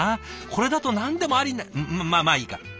これだと何でもありにまあいいか。